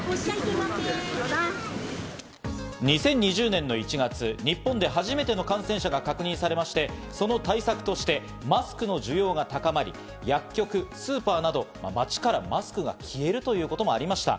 ２０２０年の１月、日本で初めての感染者が確認されまして、その対策としてマスクの需要が高まり、薬局、スーパーなど街からマスクが消えるということもありました。